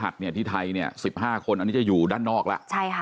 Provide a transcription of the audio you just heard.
ถึงภรรยาหัสนี่ที่ไทยเนี่ยสิบห้าคนอันนี้จะอยู่ด้านนอกละใช่ค่ะ